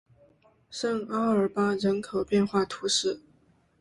圣阿尔邦人口变化图示